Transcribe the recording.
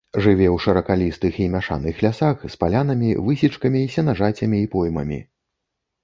Жыве ў шыракалістых і мяшаных лясах з палянамі, высечкамі, сенажацямі і поймамі.